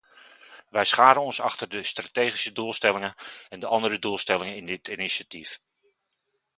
Wij scharen ons achter de strategische doelstellingen en de andere doelstellingen in dit initiatief.